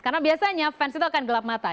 karena biasanya fans itu akan gelap mata